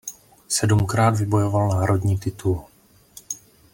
Sedmkrát vybojoval národní titul.